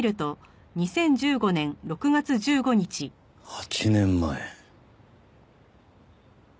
８年前。